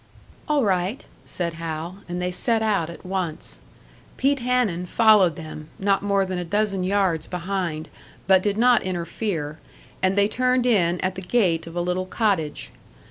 "All right," said Hal, and they set out at once. Pete Hanun followed them, not more than a dozen yards behind, but did not interfere, and they turned in at the gate of a little cottage.